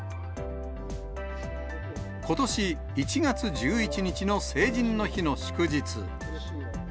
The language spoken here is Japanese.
ことし１月１１日の成人の日の祝日。